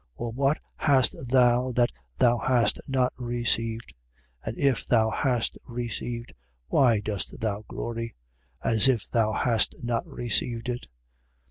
Or what hast thou that thou hast not received, and if thou hast received, why dost thou glory, as if thou hadst not received it?